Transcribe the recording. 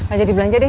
aja di belanja deh